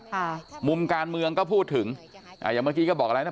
ค่ะมุมการเมืองก็พูดถึงอ่าอย่างเมื่อกี้ก็บอกอะไรนะ